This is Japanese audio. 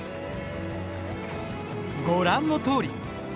ご覧のとおり。